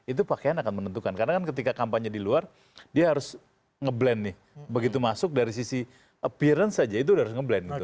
itu pakaian akan menentukan karena kan ketika kampanye di luar dia harus ngeblend nih begitu masuk dari sisi appearance saja itu udah harus ngeblend